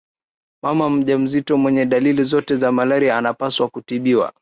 mama mjamzito mwenye dalili zote za malaria anapaswa kutibiwa